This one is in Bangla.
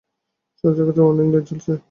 সব জায়গাতে ওয়ার্নিং লাইট জ্বলছে।